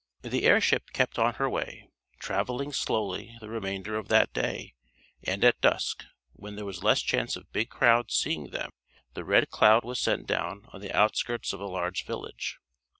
The airship kept on her way, traveling slowly the remainder of that day, and at dusk, when there was less chance of big crowds seeing them, the Red Cloud was sent down on the outskirts of a large village.